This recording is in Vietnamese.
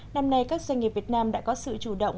năm nay các doanh nghiệp việt nam đã có sự chủ động